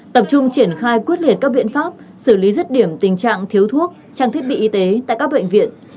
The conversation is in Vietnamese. tập trung triển khai quyết liệt các biện pháp xử lý rứt điểm tình trạng thiếu thuốc trang thiết bị y tế tại các bệnh viện